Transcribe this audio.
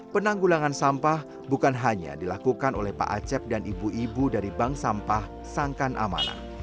penanggulangan sampah bukan hanya dilakukan oleh pak acep dan ibu ibu dari bank sampah sangkan amanah